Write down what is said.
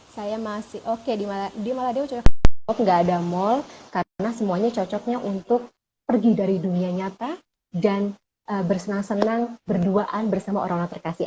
saya masih oke di maladewa cukup nggak ada mal karena semuanya cocoknya untuk pergi dari dunia nyata dan bersenang senang berduaan bersama orang orang terkasih